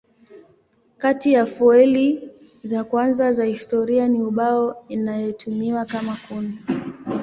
Kati ya fueli za kwanza za historia ni ubao inayotumiwa kama kuni.